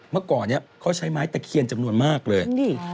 เมื่อก่อนนี้เขาใช้ไม้ตะเคียนจำนวนมากเลย